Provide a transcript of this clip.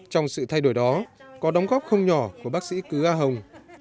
trong sự thay đổi đó có đóng góp không nhỏ của bác sĩ cứ a hồng